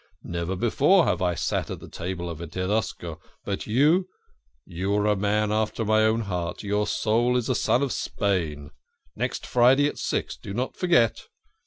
Never before have I sat at the table of a Tedesco but you you are a man after my own heart. Your soul is a son of Spain. Next Friday at six do not forget."